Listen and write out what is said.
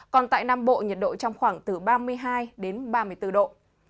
còn tại nam bộ nhiệt độ trong khoảng từ ba mươi hai đến ba mươi bốn độ